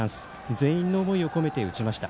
全員の思いを込めて打ちました。